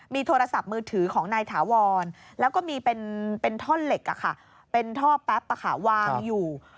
มีโทรศัพท์มือถือของนายถาวรแล้วก็มีเป็นท่อนเหล็กเป็นท่อแป๊บวางอยู่